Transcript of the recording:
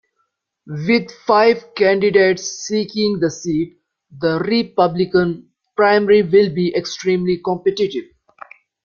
With five candidates seeking the seat, the Republican primary will be extremely competitive.